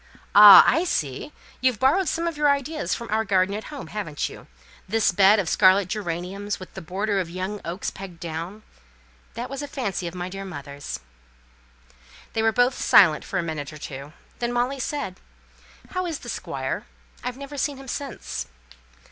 Ah, I see! you've borrowed some of your ideas from our garden at home, haven't you? This bed of scarlet geraniums, with the border of young oaks, pegged down! That was a fancy of my dear mother's." They were both silent for a minute or two. Then Molly said, "How is the Squire? I've never seen him since."